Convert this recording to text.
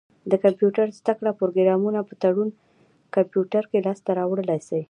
د کمپيوټر زده کړي پروګرامونه په تړون کمپيوټر کي لاسته را وړلای سی.